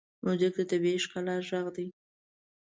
موزیک د طبیعي ښکلا غږ دی.